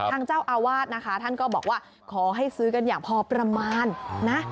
ทางเจ้าอาวาสนะคะท่านก็บอกว่าขอให้ซื้อกันอย่างพอประมาณนะ